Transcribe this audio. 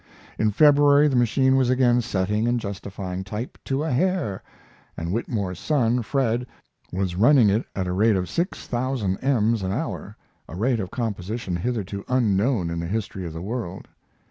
In February the machine was again setting and justifying type "to a hair," and Whitmore's son, Fred, was running it at a rate of six thousand ems an hour, a rate of composition hitherto unknown in the history of the world.